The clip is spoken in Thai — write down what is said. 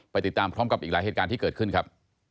ติดตามพร้อมกับอีกหลายเหตุการณ์ที่เกิดขึ้นครับ